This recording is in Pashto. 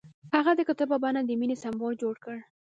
هغه د کتاب په بڼه د مینې سمبول جوړ کړ.